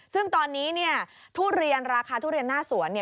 ซึ่งตอนนี้ทุเรียนราคาทุเรียนหน้าสวน